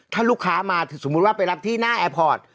ถ้าลูกค้ามาสมมุติว่าไปรับที่หน้าแอร์พอร์ต